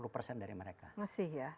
delapan puluh persen dari mereka masih ya